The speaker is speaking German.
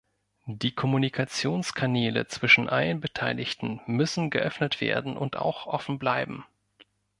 Die Kommunikationskanäle zwischen allen Beteiligten müssen geöffnet werden und auch offen bleiben.